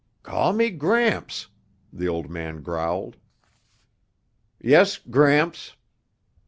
"Call me Gramps," the old man growled. "Yes, Gramps."